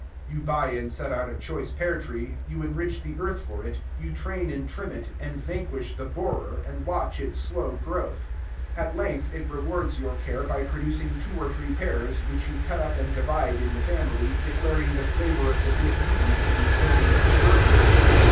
You buy and set out a choice pear tree; you enrich the earth for it; you train and trim it, and vanquish the borer, and watch its slow growth. At length it rewards your care by producing two or three pears, which you cut up and divide in the family, declaring the flavor of the bit you eat to be something extraordinary.